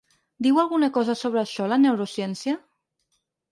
Diu alguna cosa sobre això la neurociència?